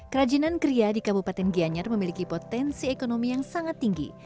kerajinan kria di kabupaten gianyar memiliki potensi ekonomi yang sangat tinggi